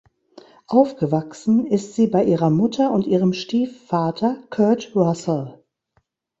Aufgewachsen ist sie bei ihrer Mutter und ihrem Stiefvater Kurt Russell.